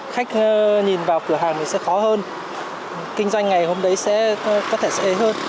khách nhìn vào cửa hàng thì sẽ khó hơn kinh doanh ngày hôm đấy có thể sẽ ế hơn